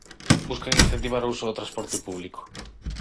Buscan incentivar o uso do transporte público.